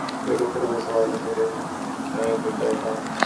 لیکن پھر وہی سوال کہ جائیں تو جائیں کہاں۔